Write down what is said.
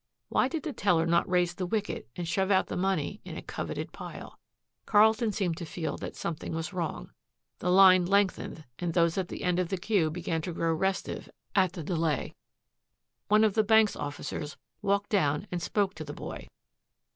Why did the teller not raise the wicket and shove out the money in a coveted pile? Carlton seemed to feel that something was wrong. The line lengthened and those at the end of the queue began to grow restive at the delay. One of the bank's officers walked down and spoke to the boy.